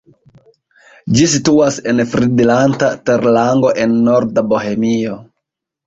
Ĝi situas en Fridlanta terlango en norda Bohemio.